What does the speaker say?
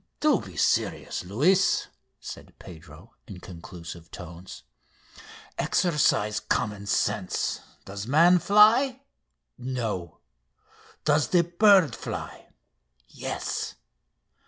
"Do be serious, Luis," said Pedro in conclusive tones. "Exercise common sense. Does man fly? No. Does the bird fly? Yes.